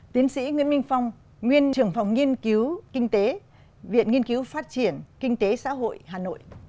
tiến sĩ nguyễn minh phong nguyên trưởng phòng nghiên cứu kinh tế viện nghiên cứu phát triển kinh tế xã hội hà nội